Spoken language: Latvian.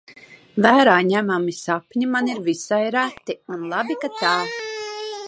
Vērā ņemami sapņi man ir visai reti, un labi, ka tā.